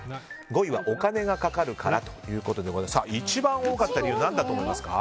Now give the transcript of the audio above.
５位は、お金がかかるからということですがさあ、一番多かった理由は何だと思いますか。